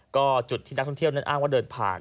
ก็จุดที่นักท่องเที่ยวนั้นอ้างว่าเดินผ่าน